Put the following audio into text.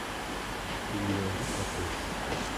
Il lui indique la caisse.